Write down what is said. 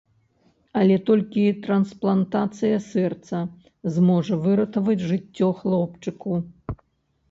Але толькі трансплантацыя сэрца зможа выратаваць жыццё хлопчыку.